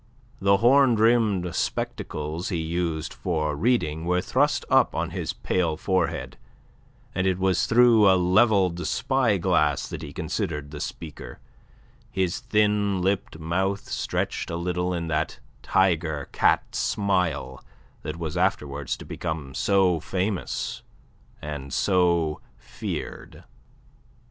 The horn rimmed spectacles he used for reading were thrust up on to his pale forehead, and it was through a levelled spy glass that he considered the speaker, his thin lipped mouth stretched a little in that tiger cat smile that was afterwards to become so famous and so feared.